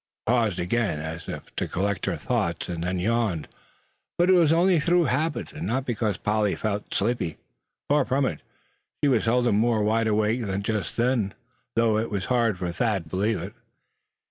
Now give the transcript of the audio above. She paused again, as if to collect her thoughts, and then yawned; but it was only through habit, and not because Polly felt sleepy; far from it, she was seldom more wide awake than just then, though it was hard for Thad to believe it.